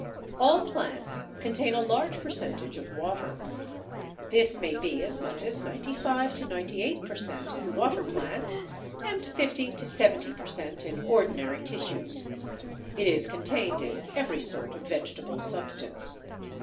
All plants contain a large percentage of water. This may be as much as 95 to 98 per cent in water plants, and 50 to 70 per cent. in ordinary tissues; it is contained in every sort of vegetable substance.